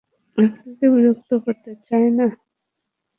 আপনাকে বিরক্ত করতে চাই না।